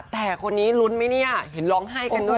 แต่คนนี้ลุ้นไหมเนี่ยเห็นร้องไห้กันด้วย